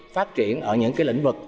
phát triển ở những cái lĩnh vực